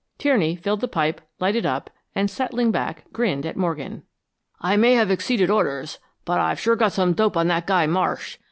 Tierney filled the pipe, lighted up, and settling back, grinned at Morgan. "I may have exceeded orders, but I've sure got some dope on that guy, Marsh.